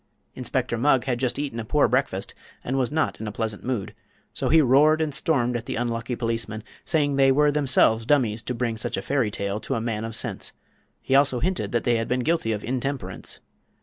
Inspector Mugg had just eaten a poor breakfast, and was not in a pleasant mood; so he roared and stormed at the unlucky policemen, saying they were themselves dummies to bring such a fairy tale to a man of sense. He also hinted that they had been guilty of intemperance.